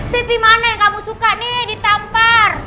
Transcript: tv mana yang kamu suka nih ditampar